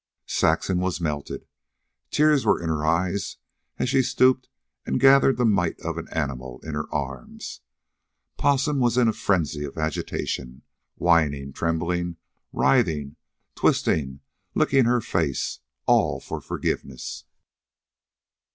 Saxon was melted. Tears were in her eyes as she stooped and gathered the mite of an animal in her arms. Possum was in a frenzy of agitation, whining, trembling, writhing, twisting, licking her face, all for forgiveness.